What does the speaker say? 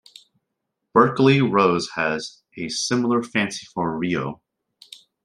Berkeley Rose has a similar fancy for Ryo.